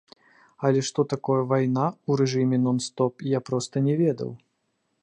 Але што такое вайна ў рэжыме нон-стоп, я проста не ведаў.